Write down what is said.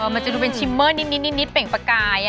มันจะดูเป็นชิมเมอร์นิดเปล่งประกาย